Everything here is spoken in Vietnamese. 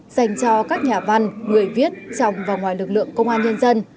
dành cho các nhà văn người viết trong và ngoài lực lượng công an nhân dân